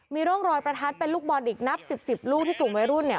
มีร่องรอยประทัดเป็นลูกบอลอีกนับสิบสิบลูกที่กลุ่มวัยรุ่นเนี่ย